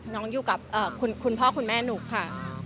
อยู่กับคุณพ่อคุณแม่นุ๊กค่ะ